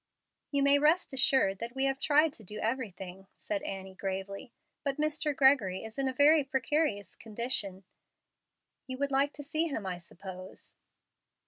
"You may rest assured that we have tried to do everything," said Annie, gravely, "but Mr. Gregory is in a very precarious condition. You would like to see him, I suppose."